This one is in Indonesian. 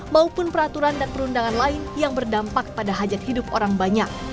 maupun peraturan dan perundangan lain yang berdampak pada hajat hidup orang banyak